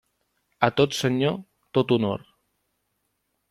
A tot senyor, tot honor.